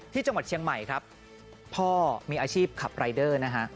ที่จังหวัดเชียงใหม่พ่อมีอาชีพคลับรไลล์เดอร์